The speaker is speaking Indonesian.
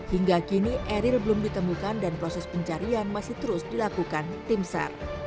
hingga kini eril belum ditemukan dan proses pencarian masih terus dilakukan tim sar